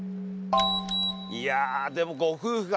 いやでもご夫婦が。